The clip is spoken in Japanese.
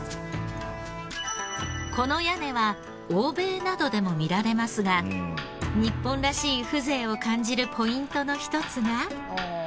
この屋根は欧米などでも見られますが日本らしい風情を感じるポイントの一つが。